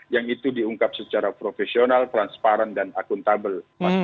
yang itu diungkap secara profesional transparan dan akuntabel